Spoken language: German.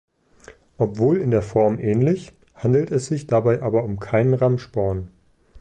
Obwohl in der Form ähnlich, handelt es sich dabei aber um keinen Rammsporn.